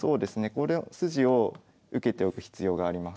この筋を受けておく必要があります。